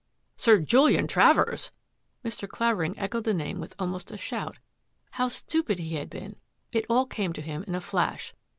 " Sir Julian Travers !" Mr. Clavering echoed the name with almost a shout. How stupid he had been ! It all came to him in a flash.